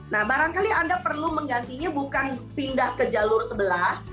nah barangkali anda perlu menggantinya bukan pindah ke jalur sebelah